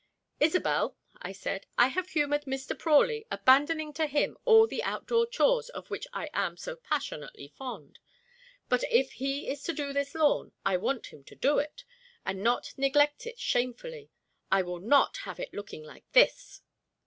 "Isobel," I said, "I have humoured Mr. Prawley, abandoning to him all the outdoor chores of which I am so passionately fond, but if he is to do this lawn I want him to do it, and not neglect it shamefully. I will not have it looking like this!"